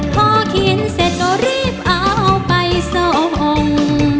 พอเขียนเสร็จก็รีบเอาไปส่ง